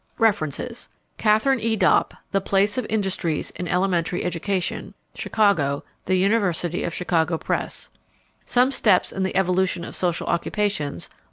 References: Katharine E. Dopp, The Place of Industries in Elementary Education, Chicago, The University of Chicago Press; "Some Steps in the Evolution of Social Occupations," I.